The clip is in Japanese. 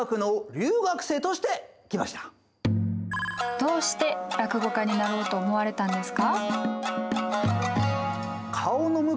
どうして落語家になろうと思われたんですか？